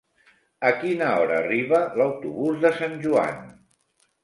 A quina hora arriba l'autobús de Sant Joan?